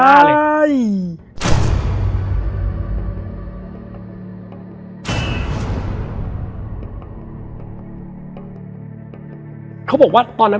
แล้วสักครั้งหนึ่งเขารู้สึกอึดอัดที่หน้าอก